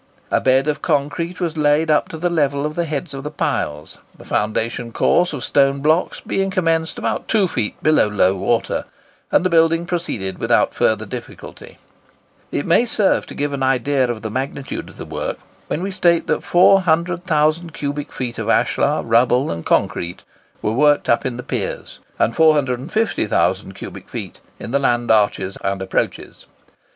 A bed of concrete was laid up to the level of the heads of the piles, the foundation course of stone blocks being commenced about two feet below low water, and the building proceeded without further difficulty. It may serve to give an idea of the magnitude of the work, when we state that 400,000 cubic feet of ashlar, rubble, and concrete were worked up in the piers, and 450,000 cubic feet in the land arches and approaches.